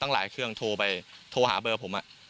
หลายเครื่องโทรไปโทรหาเบอร์ผม